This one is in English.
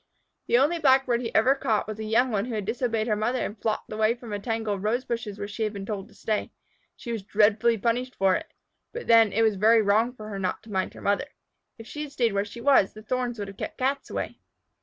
The only Blackbird he ever caught was a young one who had disobeyed her mother and flopped away from the tangle of rosebushes where she had been told to stay. She was dreadfully punished for it but then it was very wrong for her not to mind her mother. If she had stayed where she was, the thorns would have kept Cats away.